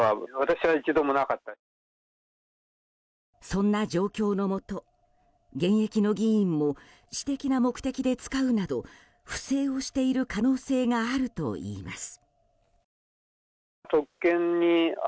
そんな状況のもと現役の議員も私的な目的で使うなど不正をしている可能性があるといいます。